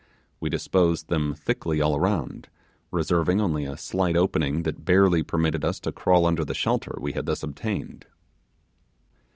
We disposed them thickly all around, reserving only a slight opening that barely permitted us to crawl under the shelter we had thus obtained.